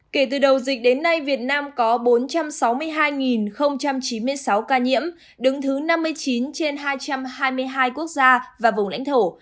kể từ đầu dịch đến nay việt nam có bốn trăm sáu mươi hai chín mươi sáu ca nhiễm đứng thứ năm mươi chín trên hai trăm hai mươi hai quốc gia và vùng lãnh thổ